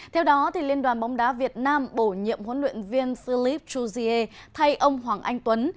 theo đó liên đoàn bóng đá việt nam bổ nhiệm huấn luyện viên philippe jouzier thay ông hoàng anh tuấn